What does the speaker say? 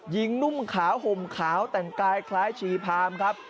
นุ่มขาวห่มขาวแต่งกายคล้ายชีพามครับ